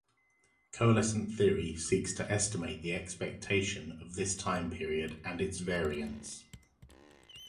Coalescent theory seeks to estimate the expectation of this time period and its variance.